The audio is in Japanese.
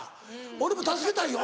俺も助けたいよ